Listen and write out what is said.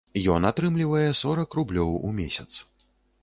Ён атрымлівае сорак рублёў у месяц.